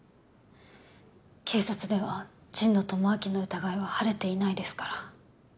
警察では神野智明の疑いは晴れていないですから。